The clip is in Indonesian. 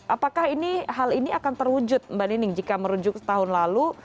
apakah hal ini akan terwujud mbak nining jika merujuk tahun lalu